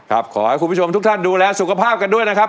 ขอให้คุณผู้ชมทุกท่านดูแลสุขภาพกันด้วยนะครับ